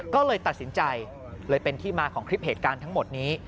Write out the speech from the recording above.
ก็เลยตัดสินใจเลยเป็นที่มาของคลิปเหตุการณ์ทั้งหมดนี้